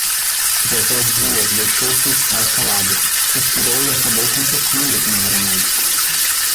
José Dias deixou-se estar calado, suspirou e acabou confessando que não era médico.